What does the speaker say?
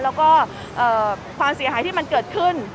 แล้วก็ความเสียหายที่มันเกิดขึ้น